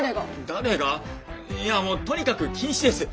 誰がいやもうとにかく禁止です！